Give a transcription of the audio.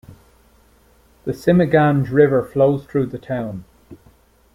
The Simiganj River flows through the town.